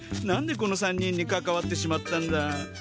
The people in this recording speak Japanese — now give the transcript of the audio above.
何でこの３人にかかわってしまったんだ。